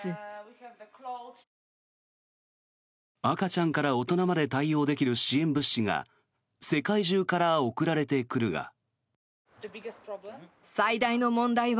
赤ちゃんから大人まで対応できる支援物資が世界中から送られてくるが。